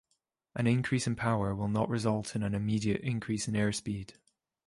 An increase in power will not result in an immediate increase in airspeed.